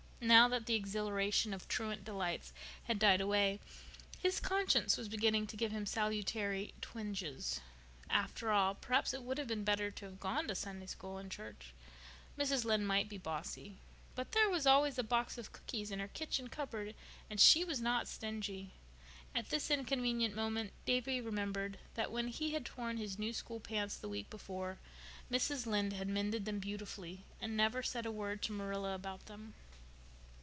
Now that the exhilaration of truant delights had died away, his conscience was beginning to give him salutary twinges. After all, perhaps it would have been better to have gone to Sunday School and church. Mrs. Lynde might be bossy; but there was always a box of cookies in her kitchen cupboard and she was not stingy. At this inconvenient moment Davy remembered that when he had torn his new school pants the week before, Mrs. Lynde had mended them beautifully and never said a word to Marilla about them.